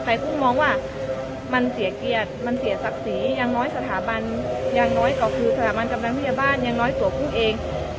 แต่กุ้งมองว่ามันเสียเกียรติมันเสียศักดิ์ศรีอย่างน้อยสถาบันอย่างน้อยก็คือสถาบันกำลังพยาบาลอย่างน้อยตัวกุ้งเอง